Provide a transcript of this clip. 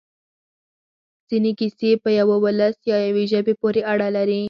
ځینې کیسې په یوه ولس یا یوې ژبې پورې اړه لري.